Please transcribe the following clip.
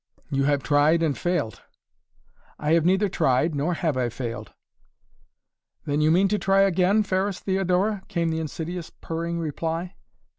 "You have tried and failed!" "I have neither tried nor have I failed." "Then you mean to try again, fairest Theodora?" came the insidious, purring reply.